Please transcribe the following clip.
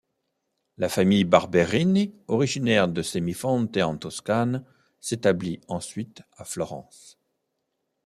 La famille Barberini, originaire de Semifonte en Toscane, s’établit ensuite à Florence.